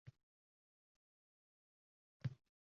Shaxsan men kechasi ishlamayman.